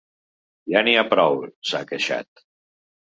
Ja n’hi ha prou, s’ha queixat.